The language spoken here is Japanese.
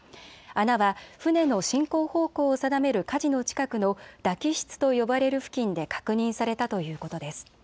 穴は船の進行方向を定めるかじの近くのだ機室と呼ばれる付近で確認されたということです。